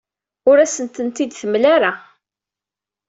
Ur asent-tent-id-temla ara.